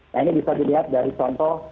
nah ini bisa dilihat dari contoh